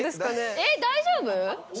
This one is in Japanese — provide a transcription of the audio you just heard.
えっ大丈夫？